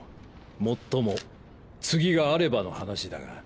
もっとも次があればの話だが。